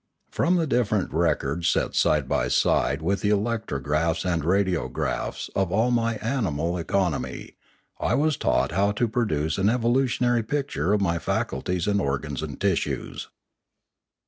From the dif ferent records set side by side with the electrographs and radiographs of all my animal economy, 1 was taught how to produce an evolutionary picture of my faculties and organs and tissues.